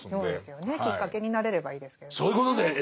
きっかけになれればいいですけれどねえ。